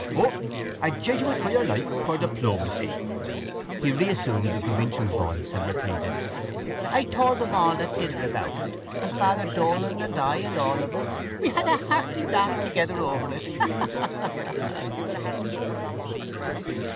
O, a jesuit for your life, for diplomacy! He reassumed the provincial's voice and repeated: —I told them all at dinner about it and Father Dolan and I and all of us we had a hearty laugh together over it. Ha! Ha! Ha!